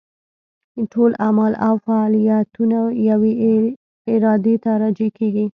ټول اعمال او فاعلیتونه یوې ارادې ته راجع کېږي.